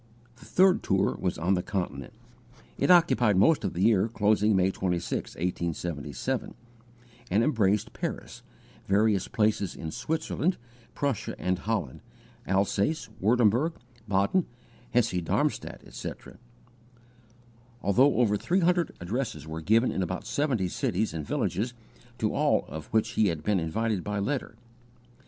The third tour was on the Continent. It occupied most of the year closing May 26, 1877, and embraced Paris, various places in Switzerland, Prussia and Holland, Alsace, Wurtemberg, Baden, Hesse Darmstadt, etc. Altogether over three hundred addresses were given in about seventy cities and villages to all of which he had been invited by letter.